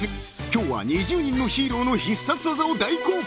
［今日は２０人のヒーローの必殺技を大公開！］